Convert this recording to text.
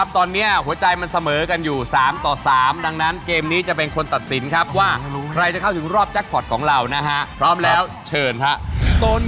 ทุกท่านกางเกณฑ์เจียงแล้วก็ไม่กลัว